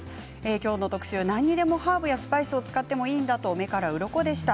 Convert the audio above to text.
今日の特集、何でもハーブやスパイスを使ってもいいんだと目からうろこでした。